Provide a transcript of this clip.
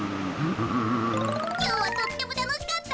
きょうはとってもたのしかった。